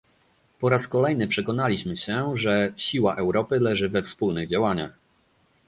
Po raz kolejny przekonaliśmy się, że siła Europy leży we wspólnych działaniach